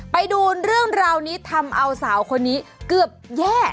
ไปดูเรื่องราวนี้ทำเอาสาวคนนี้เกือบแย่